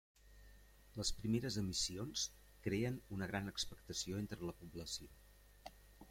Les primeres emissions creen una gran expectació entre la població.